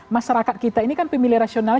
masyarakat kita ini kan pemilih rasional